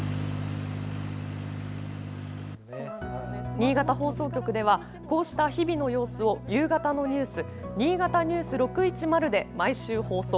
新潟放送局ではこうした日々の様子を夕方のニュース「新潟ニュース６１０」で毎週放送。